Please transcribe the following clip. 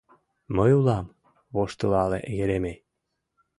Мый улам... — воштылале Еремей.